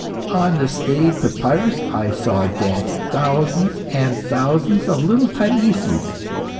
On the staid papyrus, I saw dance thousands and thousands of little Thaises.